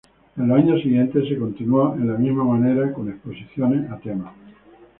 En los años siguientes, se continuó en la misma manera, con exposiciones a tema.